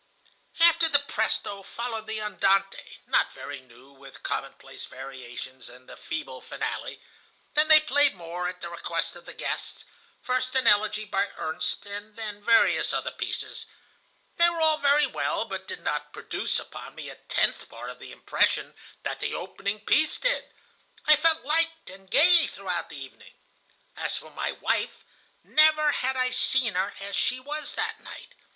"After the presto followed the andante, not very new, with commonplace variations, and the feeble finale. Then they played more, at the request of the guests,—first an elegy by Ernst, and then various other pieces. They were all very well, but did not produce upon me a tenth part of the impression that the opening piece did. I felt light and gay throughout the evening. As for my wife, never had I seen her as she was that night.